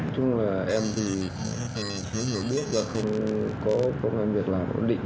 chúng là em thì không biết là không có công an việc làm ổn định